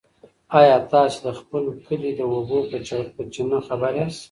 ایا تاسي د خپل کلي د اوبو په چینه خبر یاست؟